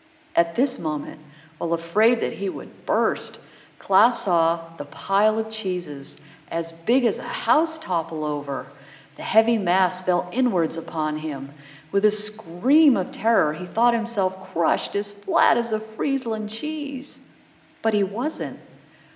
At this moment, while afraid that he would burst, Klaas saw the pile of cheeses, as big as a house, topple over. The heavy mass fell inwards upon him. With a scream of terror, he thought himself crushed as flat as a Friesland cheese. But he wasn't!